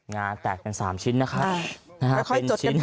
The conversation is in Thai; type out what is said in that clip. งาแตกเป็น๓ชิ้นนะคะ